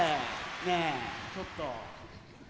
ねえちょっと。